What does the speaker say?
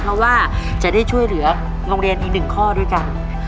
เพราะว่าจะได้ช่วยเหลือโรงเรียนอีกหนึ่งข้อด้วยกัน